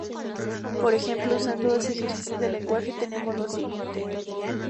Por ejemplo, usando dos ejercicios de lenguaje tenemos lo siguiente.